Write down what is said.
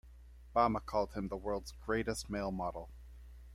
Bama called him the world's greatest male model.